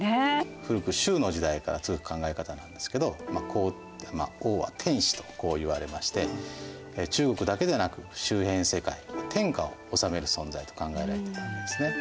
古く周の時代から続く考え方なんですけど王は天子と言われまして中国だけでなく周辺世界天下を治める存在と考えられているわけですね。